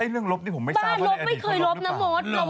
ไอ้เรื่องลบนี่ผมไม่ทราบว่าอันนี้เขาลบหรือเปล่าบ้าลบไม่เคยลบนะมด